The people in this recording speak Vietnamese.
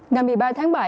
ngày một mươi ba tháng bảy